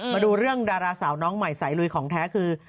มาดูเรื่องดาราสาวน้องใหม่สายลุยของแท้คือ